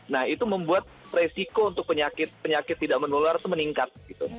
nah itu membuat resiko untuk penyakit penyakit tidak menular itu meningkat